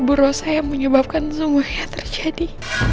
buru saya menyebabkan semuanya terjadi